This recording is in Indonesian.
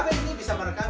hb ini bisa merekam